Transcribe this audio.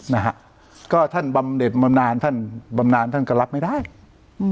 นะฮะก็ท่านบำเด็ดบำนานท่านบำนานท่านก็รับไม่ได้อืม